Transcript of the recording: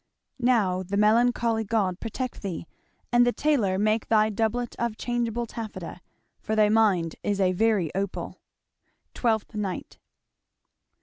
Now, the melancholy god protect thee; and the tailor make thy doublet of changeable taffeta, for thy mind is a very opal! Twelfth Night.